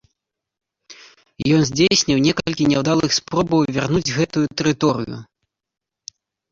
Ён здзейсніў некалькі няўдалых спробаў вярнуць гэтую тэрыторыю.